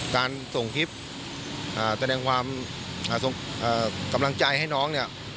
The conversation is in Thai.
การส่งคลิปแสดงความกำลังใจให้น้องเนี่ย